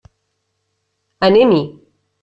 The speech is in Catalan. Anem-hi!